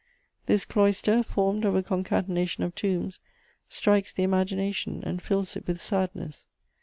This cloister, formed of a concatenation of tombs, strikes the imagination and fills it with sadness.